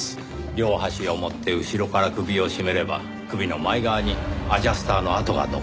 両端を持って後ろから首を絞めれば首の前側にアジャスターの痕が残ります。